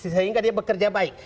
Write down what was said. sehingga dia bekerja baik